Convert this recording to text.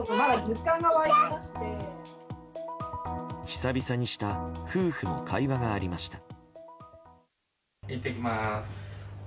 久々にした夫婦の会話がありました。